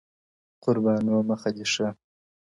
قربانو مخه دي ښه-